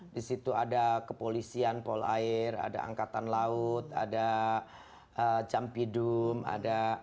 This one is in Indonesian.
di situ ada kepolisian polair ada angkatan laut ada campidum ada